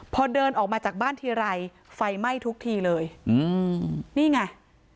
พอเดินออกมาจากบ้านทีไรไฟไหม้ทุกทีเลยอืมนี่ไง